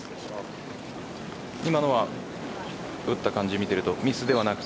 今のは打った感じを見ているとミスではなく。